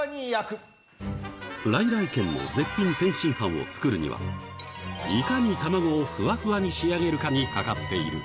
来々軒の絶品天津飯を作るには、いかに卵をふわふわに仕上げるかにかかっている。